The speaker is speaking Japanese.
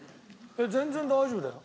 全然大丈夫だよ。